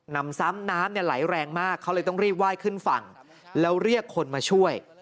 นำซ้ำน้ำเนี่ยไหลแรงมากเขาเลยต้องรีบไหว้ขึ้นฝั่งแล้วเรียกคนมาช่วย